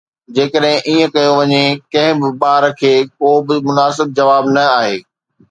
جيڪڏهن ائين ڪيو وڃي، ڪنهن به ٻار کي ڪو به مناسب جواب نه آهي